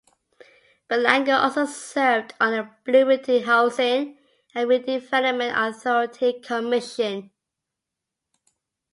Belanger also served on the Bloomington Housing and Redevelopment Authority Commission.